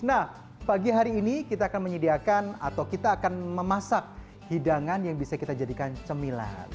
nah pagi hari ini kita akan menyediakan atau kita akan memasak hidangan yang bisa kita jadikan cemilan